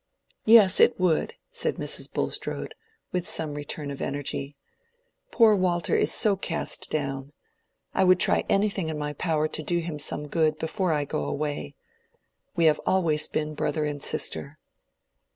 "Yes, it would," said Mrs. Bulstrode, with some return of energy. "Poor Walter is so cast down; I would try anything in my power to do him some good before I go away. We have always been brother and sister."